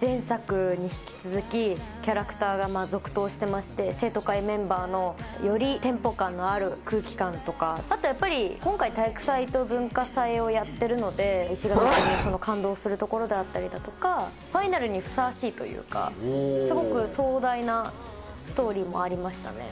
前作に引き続き、キャラクターが続投してまして、生徒会メンバーのよりテンポ感のある空気感とか、あとやっぱり、今回、体育祭と文化祭をやってるので、石上君の感動するところで会ったりとか、ファイナルにふさわしいというか、すごく壮大なストーリーもありましたね。